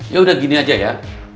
ya udah gini aja ya